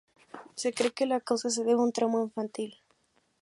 Se cree que la causa se debe a un trauma infantil.